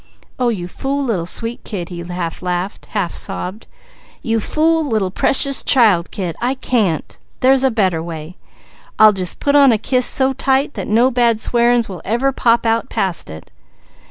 "Oh you fool little sweet kid," he half laughed, half sobbed. "You fool little precious child kid I can't! There's a better way. I'll just put on a kiss so tight that no bad swearin's will ever pop out past it.